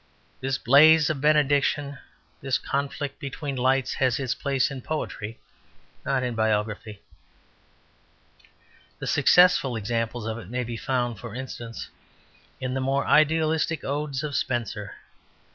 This blaze of benediction, this conflict between lights, has its place in poetry, not in biography. The successful examples of it may be found, for instance, in the more idealistic odes of Spenser.